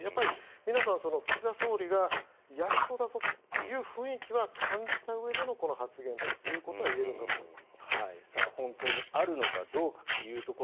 皆さん岸田総理がやりそうだぞという雰囲気は感じたうえでのこの発言ということは今、与党内で減税論が出てきています。